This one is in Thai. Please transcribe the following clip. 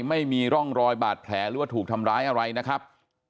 ไม่มีร่องรอยบาดแผลหรือว่าถูกทำร้ายอะไรนะครับ